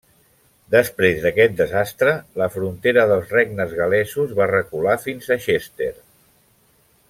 Després d'aquest desastre la frontera dels regnes gal·lesos va recular fins a Chester.